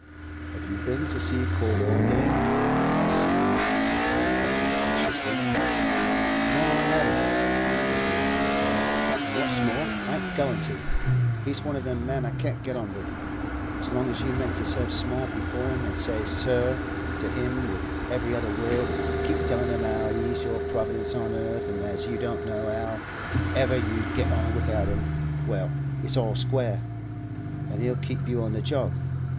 'Have you been to see Corder again?' asked Sidney, after reflecting anxiously. 'No, I haven't!' was the angry reply; 'an' what's more, I ain't goin' to! He's one o' them men I can't get on with. As long as you make yourself small before him, an' say "sir" to him with every other word, an' keep tellin' him as he's your Providence on earth, an' as you don't know how ever you'd get on without him—well, it's all square, an' he'll keep you on the job.